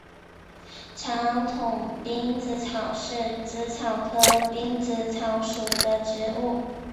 长筒滨紫草是紫草科滨紫草属的植物。